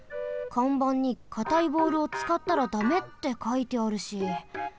かんばんにかたいボールをつかったらだめってかいてあるし。